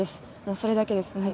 それだけです。